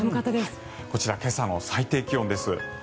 こちら、今朝の最低気温です。